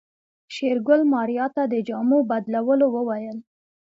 شېرګل ماريا ته د جامو بدلولو وويل.